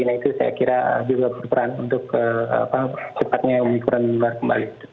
nah itu saya kira juga berperan untuk cepatnya omikron menyebar kembali